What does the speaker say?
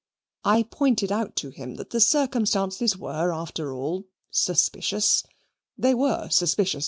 I pointed out to him that the circumstances were after all suspicious they were suspicious.